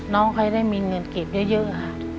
น้องแบบให้มีเงินเก็บเยอะ